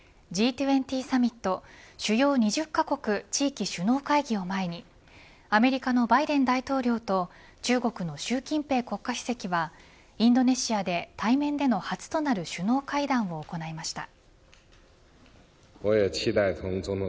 Ｇ２０サミット主要２０カ国地域首脳会議を前にアメリカのバイデン大統領と中国の習近平国家主席はインドネシアで対面での初となる首脳会談を行いました。